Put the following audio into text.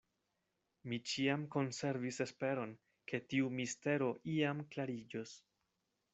Mi ĉiam konservis esperon, ke tiu mistero iam klariĝos.